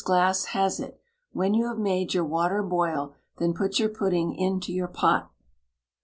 Glasse has it: "When you have made your water boil, then put your pudding into your pot."